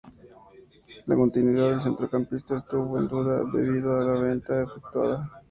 La continuidad del centrocampista estuvo en duda debido a la venta efectuada.